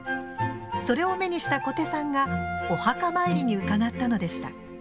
それを目にした小手さんがお墓参りに伺ったのでした。